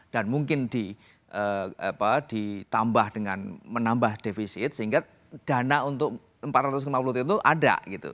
dan mungkin di apa ditambah dengan menambah defisit sehingga dana untuk empat ratus lima puluh triliun itu ada gitu